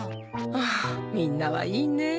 はあみんなはいいねえ。